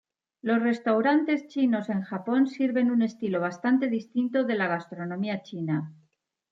Los restaurantes chinos en Japón sirven un estilo bastante distinto de la gastronomía china.